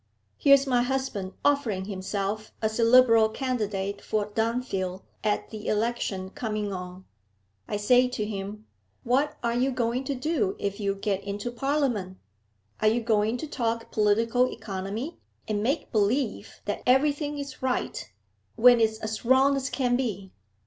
Here's my husband offering himself as a Liberal candidate for Dunfield at the election coming on. I say to him: What are you going to do if you get into Parliament? Are you going to talk political economy, and make believe that everything is right, when it's as wrong as can be?